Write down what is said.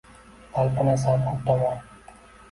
Talpinasan u tomon.